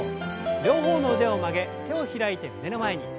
両方の腕を曲げ手を開いて胸の前に。